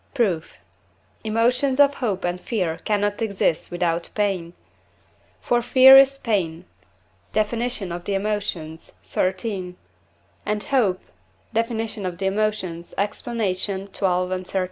Proof. Emotions of hope and fear cannot exist without pain. For fear is pain (Def. of the Emotions, xiii.), and hope (Def. of the Emotions, Explanation xii. and xiii.)